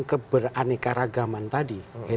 keberaneka ragaman tadi